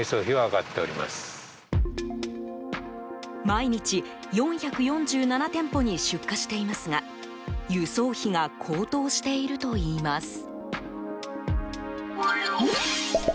毎日、４４７店舗に出荷していますが輸送費が高騰しているといいます。